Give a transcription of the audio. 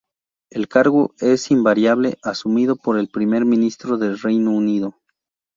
El cargo es invariablemente asumido por el Primer Ministro del Reino Unido.